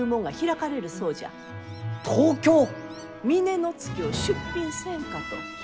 峰乃月を出品せんかと。